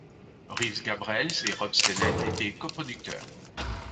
Reeves Gabrels & Rob Stennett étaient co -producteurs.